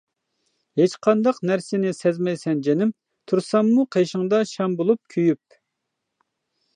ھېچقانداق نەرسىنى سەزمەيسەن جېنىم، تۇرساممۇ قېشىڭدا شام بولۇپ كۆيۈپ.